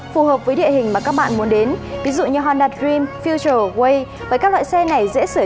phù hợp với địa hình mà các bạn muốn đến ví dụ như honda dream future way với các loại xe này dễ sửa